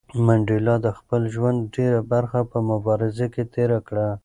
منډېلا د خپل ژوند ډېره برخه په مبارزه کې تېره کړه.